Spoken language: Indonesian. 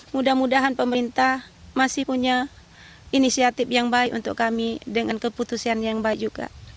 mudah mudahan pemerintah masih punya inisiatif yang baik untuk kami dengan keputusan yang baik juga